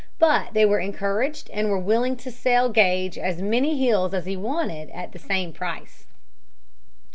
But they were encouraged and were willing to sell Gage as many hills as he wanted at the same price.